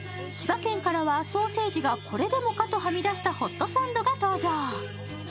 千葉県からはソーセージがこれでもかとはみ出したホットサンドが登場。